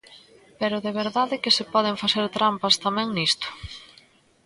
¡Pero de verdade que se poden facer trampas tamén nisto!